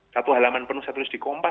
satu halaman penuh saya tulis di kompas